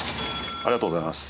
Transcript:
ありがとうございます。